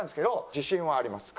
自信はありますかなり。